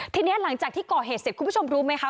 ทีนี้หลังจากที่ก่อเหตุเสร็จคุณผู้ชมรู้ไหมคะ